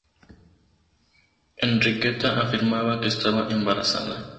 Enriqueta afirmaba que estaba embarazada.